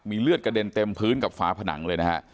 เลือดกระเด็นเต็มพื้นกับฝาผนังเลยนะฮะ